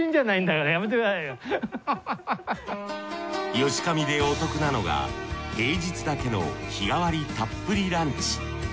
ヨシカミでお得なのが平日だけの日替わりたっぷりランチ。